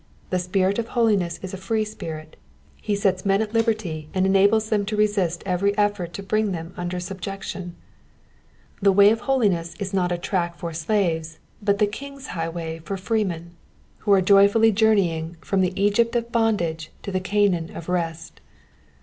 The Spirit of holiness is a free spirit ; he sets men at liberty and enables them to resist every effort to bring them under subjec tion. The way of holiness is not a track for slaves, but the King's highway Digitized by VjOOQIC 116 ' EXPOSITIONS OF THE PSALMS. for freemeD, who are joyfully journeying from the Egypt of bondage to the Canaan of rest.